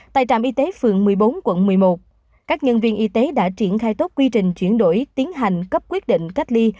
tại trạm y tế phường một mươi bốn quận một mươi một các nhân viên y tế đã triển khai tốt quy trình chuyển đổi tiến hành cấp quyết định cách ly